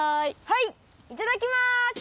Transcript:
はいいただきます！